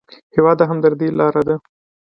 هېواد د همدردۍ لاره ده.